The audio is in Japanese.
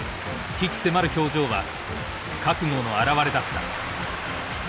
鬼気迫る表情は覚悟のあらわれだった。